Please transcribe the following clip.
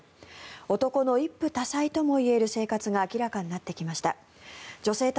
男の一夫多妻ともいえる生活が明らかになってきました。